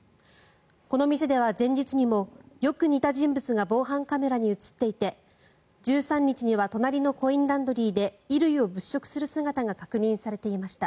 この店では、前日にもよく似た人物が防犯カメラに映っていて１３日には隣のコインランドリーで衣類を物色する姿が確認されていました。